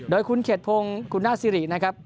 โดยคุณเขตพงศ์กุณาสิรินะครับ